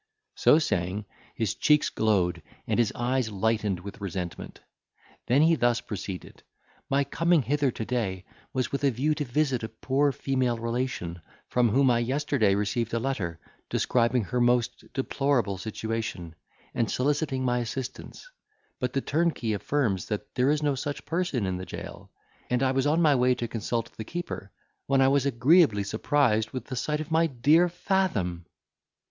So saying, his cheeks glowed, and his eyes lightened with resentment. Then he thus proceeded: "My coming hither to day was with a view to visit a poor female relation, from whom I yesterday received a letter, describing her most deplorable situation, and soliciting my assistance; but the turnkey affirms that there is no such person in the jail, and I was on my way to consult the keeper, when I was agreeably surprised with the sight of my dear Fathom."